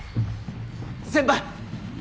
先輩！